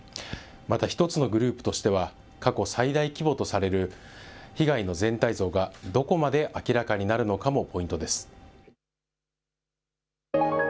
また、１つのグループとしては過去最大規模とされる被害の全体像が、どこまで明らかになるのかもポイントです。